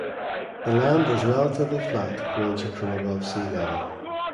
The land is relatively flat ranging from above sea level.